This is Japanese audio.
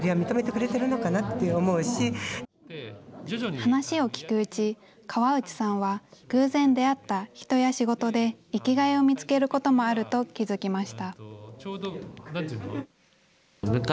話を聞くうち、川内さんは偶然、出会った人や仕事で生きがいを見つけることもあると気付きました。